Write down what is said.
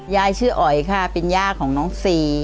ยายชื่ออ๋อยค่ะเป็นย่าของน้องซี